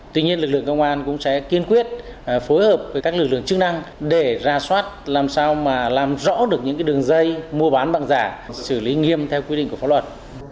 tuy nhiên lực lượng công an cũng sẽ kiên quyết phối hợp với các lực lượng chức năng để ra soát làm sao mà làm rõ được những đường dây mua bán bằng giả xử lý nghiêm theo quy định của pháp luật